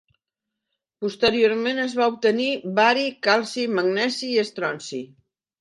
Posteriorment, es va obtenir bari, calci, magnesi i estronci.